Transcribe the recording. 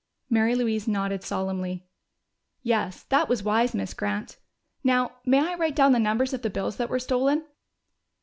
Mary Louise nodded solemnly. "Yes, that was wise, Miss Grant.... Now, may I write down the numbers of the bills that were stolen?"